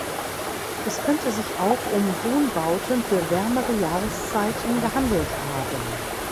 Es könnte sich auch um Wohnbauten für wärmere Jahreszeiten gehandelt haben.